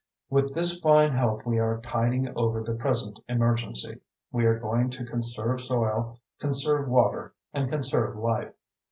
With this fine help we are tiding over the present emergency. We are going to conserve soil, conserve water and conserve life.